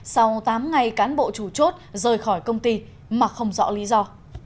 sau tám ngày cán bộ chủ chốt rời khỏi công ty mà không rõ lý do